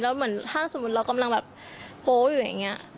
แล้วเหมือนถ้าสมมุติเรากำลังแบบโพลอยู่อย่างนี้